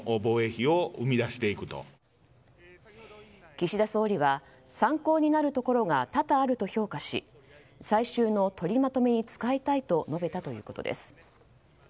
岸田総理は参考になるところが多々あると評価し最終の取りまとめに使いたいと述べたということです。